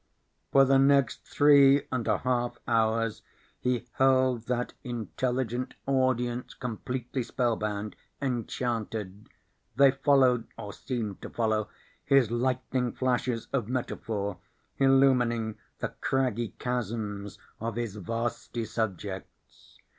For the next three and a half hours he held that intelligent audience completely spellbound, enchanted. They followed, or seemed to follow, his lightning flashes of metaphor illumining the craggy chasms of his vasty subjects.